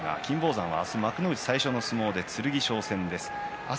金峰山はあす幕内最初の相撲で剣翔戦です。